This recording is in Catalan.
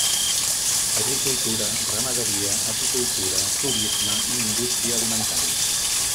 Agricultura, ramaderia, apicultura, turisme i indústria alimentària.